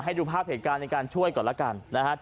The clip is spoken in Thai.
ดูภาพเหตุการณ์ในการช่วยก่อนแล้วกันนะฮะ